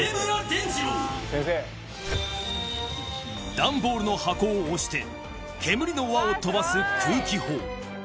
段ボールの箱を押して煙の輪を飛ばす空気砲